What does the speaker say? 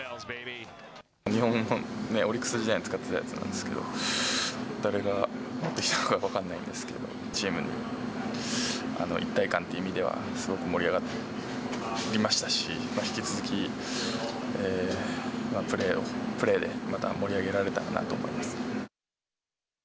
日本のオリックス時代に使ってたやつなんですけど、誰が持ってきたのか分からないんですけど、チームに一体感っていう意味では、すごく盛り上がりましたし、引き続きプレーでまた盛り上げられたらなと思います。